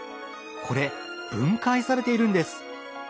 これ分解されているんです。